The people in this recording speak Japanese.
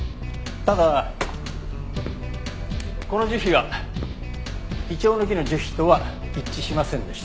ただこの樹皮はイチョウの木の樹皮とは一致しませんでした。